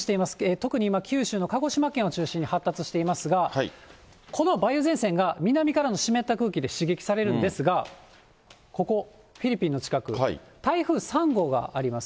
特に今、九州の鹿児島県を中心に発達していますが、この梅雨前線が南からの湿った空気で刺激されるんですが、ここ、フィリピンの近く、台風３号があります。